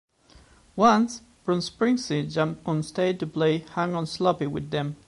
Once, Bruce Springsteen jumped on stage to play "Hang on Sloopy" with them.